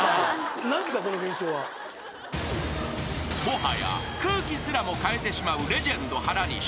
［もはや空気すらも変えてしまうレジェンド原西］